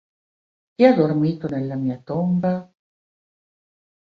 Chi Ha Dormito Nella Mia Tomba?